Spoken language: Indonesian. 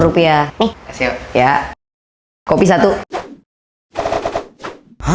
rupiah ini ya kopi satu hai hai